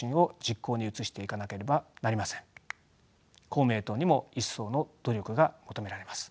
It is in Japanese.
公明党にも一層の努力が求められます。